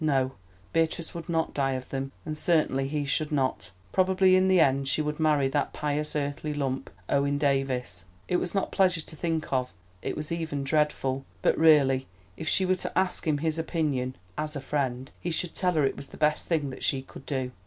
No, Beatrice would not die of them, and certainly he should not. Probably in the end she would marry that pious earthly lump, Owen Davies. It was not pleasant to think of, it was even dreadful, but really if she were to ask him his opinion, "as a friend," he should tell her it was the best thing that she could do.